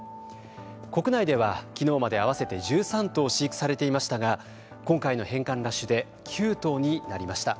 国内では昨日まで、合わせて１３頭、飼育されていましたが今回の返還ラッシュで９頭になりました。